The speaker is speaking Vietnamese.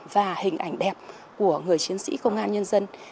và hình ảnh đẹp của người chiến sĩ công an nhân dân